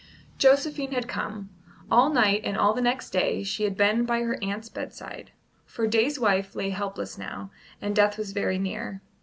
Josephine had come. All night and all the next day she had been by her aunt's bedside; for Day's wife lay helpless now, and death was very near.